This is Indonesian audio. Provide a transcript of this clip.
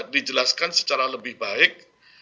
dijelaskan secara lebih baik